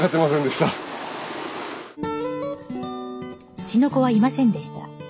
「ツチノコはいませんでした。